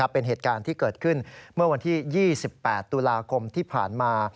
เป็นเหตุการณ์ที่เกิดขึ้นเมื่อวันที่๒๘ตุลาคมที่ผ่านมา